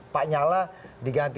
pak nyala diganti